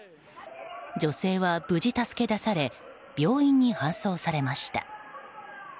女性は無事助け出され病院に搬送されました。